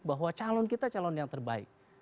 bahwa calon kita calon yang terbaik